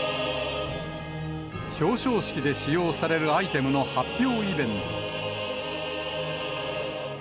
表彰式で使用されるアイテムの発表イベント。